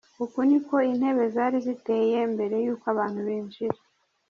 Uku niko intebe zari ziteye mbere y'uko abantu binjira.